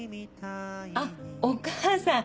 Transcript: あっお義母さん